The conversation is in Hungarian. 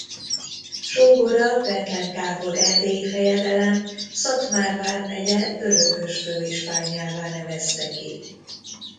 Sógora Bethlen Gábor erdélyi fejedelem Szatmár vármegye örökös főispánjává nevezte ki.